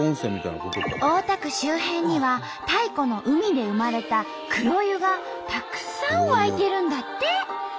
大田区周辺には太古の海で生まれた黒湯がたくさん湧いてるんだって！